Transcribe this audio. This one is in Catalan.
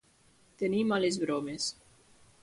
Tenir males bromes.